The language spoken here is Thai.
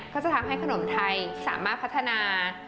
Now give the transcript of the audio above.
ก็จะทำให้ขนมไทยสามารถพัฒนา